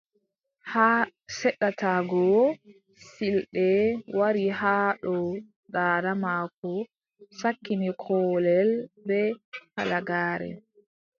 Haa seɗata go, siilde wari haa dow daada maako, sakkini koolel bee halagaare.